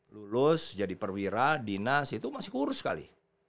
lulus jadi perwira dinas itu masih kurus sekali